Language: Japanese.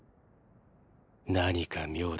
何か妙だ